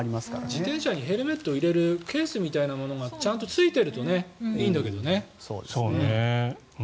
自転車にヘルメットを入れるケースみたいなものがちゃんとついているといいんだけどね。